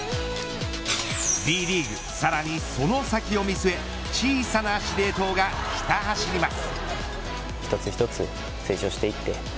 Ｂリーグ、さらにその先を見据え小さな司令塔がひた走ります。